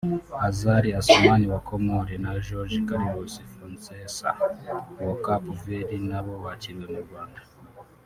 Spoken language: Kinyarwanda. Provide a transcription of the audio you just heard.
Azali Assoumani wa Comores na Jorge Carlos Fonseca wa Cape Verde na bo bakiriwe mu Rwanda